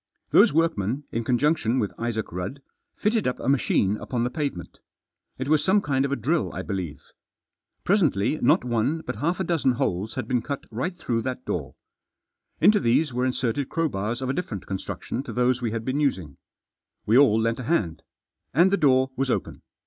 Those workmen, in conjunction with Isaac Rudd, fitted up a machine upon the pavement. It was some kind of a drill I believe. Presently not one but half a dozen holes had been cut right through that door. Into these were inserted crowbars of a different con struction to those we had been using. We all lent a hand. And the door was open.